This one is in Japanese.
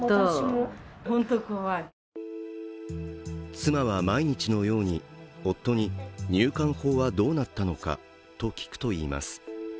妻は毎日のように夫に入管法はどうなったのかと聞くといいます。